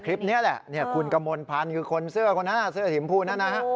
คลิปนี้แหละคุณกมลพันธ์คือคนเสื้อหิมพูนั่นนะ